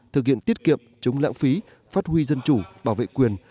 thực hiện tiết kiệm chống lãng phí phát huy dân chủ bảo vệ quyền